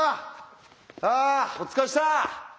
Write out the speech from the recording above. あお疲れっした！